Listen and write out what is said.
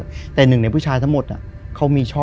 คือก่อนอื่นพี่แจ็คผมได้ตั้งชื่อเอาไว้ชื่อเอาไว้ชื่อ